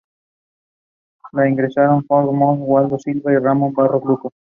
La integraron Jorge Montt, Waldo Silva, Ramón Barros Luco.